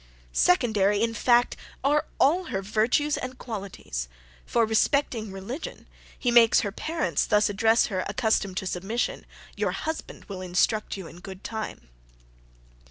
Secondary, in fact, are all her virtues and qualities, for, respecting religion, he makes her parents thus address her, accustomed to submission "Your husband will instruct you in good time."